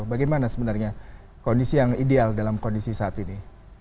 bagaimana sebenarnya kondisi yang ideal dalam kondisi saat ini